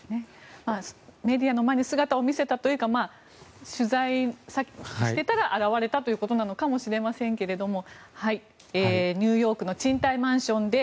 メディアの前に姿を見せたというか取材してたら現れたということかもしれませんがニューヨークの賃貸マンションで